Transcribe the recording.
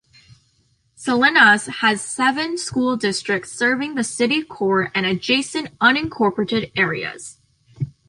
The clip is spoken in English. Salinas has seven school districts serving the city core and adjacent unincorporated areas.